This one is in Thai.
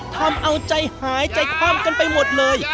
ทำเอาใจหายใจคว่ำกันไปหมดเลย